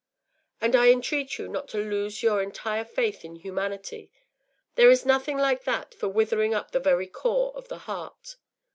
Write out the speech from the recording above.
And I entreat you not to lose your entire faith in humanity. There is nothing like that for withering up the very core of the heart.